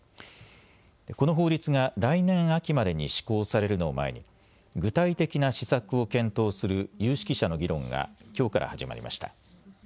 この法律が来年秋までに施行されるのを前に具体的な施策を検討する有識者の議論がきょうから始まりました。